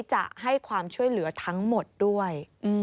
จะให้ความช่วยเหลือทั้งหมดด้วย